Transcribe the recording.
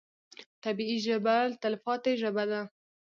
طبیعي ژبه تلپاتې ژبه ده.